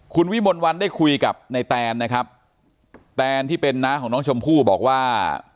คุณวิมลวันได้คุยกับในแตนนะครับแตนที่เป็นน้าของน้องชมพู่บอกว่า